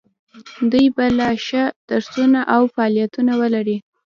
دوی به لا ښه درسونه او فعالیتونه ولري.